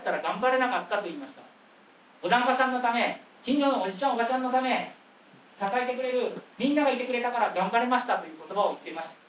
お檀家さんのため近所のおじちゃんおばちゃんのため支えてくれるみんながいてくれたから頑張れましたという言葉を言っていました。